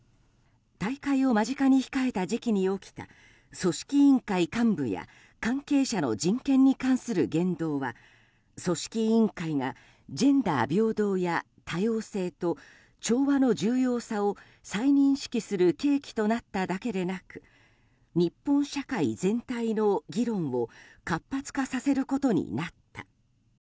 大会を間近に控えた時期に起きた組織委員会幹部や関係者の人権に関する言動は組織委員会がジェンダー平等や多様性と調和の重要さを再認識する契機になっただけでなく日本社会全体の議論を活発化させることになった。